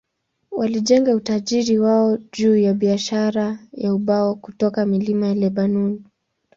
Walijenga utajiri wao juu ya biashara ya ubao kutoka milima ya Lebanoni.